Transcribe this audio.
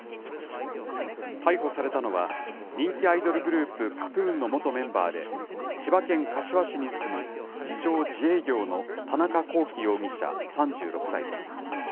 逮捕されたのは、人気アイドルグループ、ＫＡＴ−ＴＵＮの元メンバーで、千葉県柏市に住む自称自営業の田中聖容疑者３６歳です。